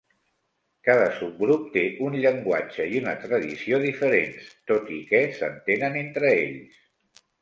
Cada subgrup té un llenguatge i una tradició diferents, tot i que s'entenen entre ells.